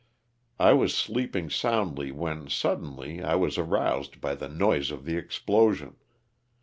I was sleeping soundly when, suddenly, I was aroused by the noise of the explosion.